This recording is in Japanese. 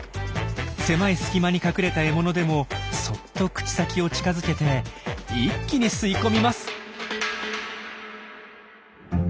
狭い隙間に隠れた獲物でもそっと口先を近づけて一気に吸い込みます。